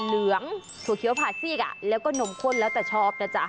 เหลืองถั่วเขียวผาซีกแล้วก็นมข้นแล้วแต่ชอบนะจ๊ะ